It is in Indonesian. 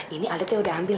ini alatnya udah ambil